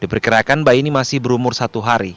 diperkirakan bayi ini masih berumur satu hari